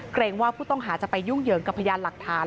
เกรงว่าผู้ต้องหาจะไปยุ่งเหยิงกับพยานหลักฐาน